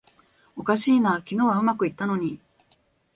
おかしいな、昨日はうまくいったのに